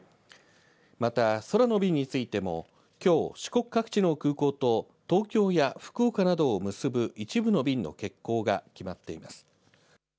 また空の便についてもきょう四国各地の空港と東京や福岡などを結ぶ一部の便の欠航が決まっています。